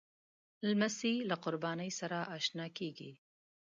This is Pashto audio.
لمسی له قربانۍ سره اشنا کېږي.